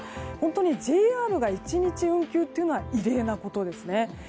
本当にＪＲが１日運休というのは異例のことですね。